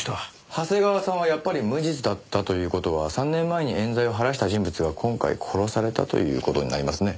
長谷川さんはやっぱり無実だったという事は３年前に冤罪を晴らした人物が今回殺されたという事になりますね。